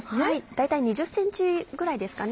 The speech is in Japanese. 大体２０ｃｍぐらいですかね。